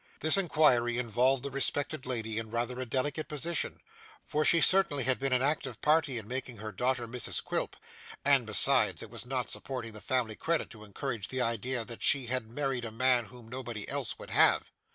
This inquiry involved the respected lady in rather a delicate position, for she certainly had been an active party in making her daughter Mrs Quilp, and, besides, it was not supporting the family credit to encourage the idea that she had married a man whom nobody else would have.